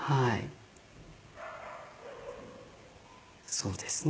そうですね。